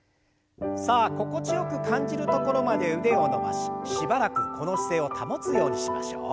さあ心地よく感じるところまで腕を伸ばししばらくこの姿勢を保つようにしましょう。